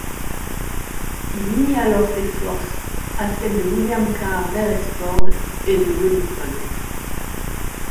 Il unit alors ses forces à celles de William Carr Beresford et de Wellington.